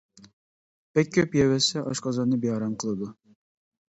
بەك كۆپ يەۋەتسە ئاشقازاننى بىئارام قىلىدۇ.